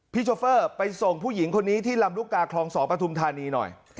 โชเฟอร์ไปส่งผู้หญิงคนนี้ที่ลำลูกกาคลอง๒ปฐุมธานีหน่อย